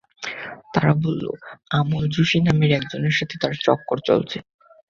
তারা বললো আমল যোশি নামের একজনের সাথে তার চক্কর চলছে।